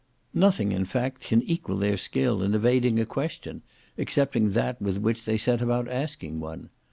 Nothing, in fact, can equal their skill in evading a question, excepting that with which they set about asking one.